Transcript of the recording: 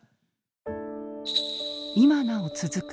今なお続く